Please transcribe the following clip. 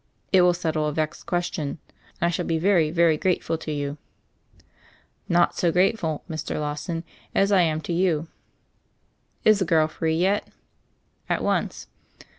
It will settle a vexed question. And I shall be very, very grateful to you." "Not so grateful, Mr. Lawson, as I am to you." "Is the girl free yet?" "At once."